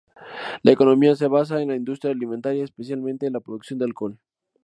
La economía se basa en la industria alimentaria, especialmente la producción de alcohol.